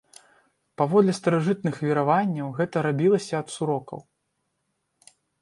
Паводле старажытных вераванняў, гэта рабілася ад сурокаў.